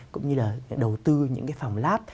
cũng như là đầu tư những cái phòng lab